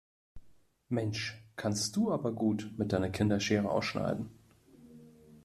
Mensch, kannst du aber gut mit deiner Kinderschere ausschneiden.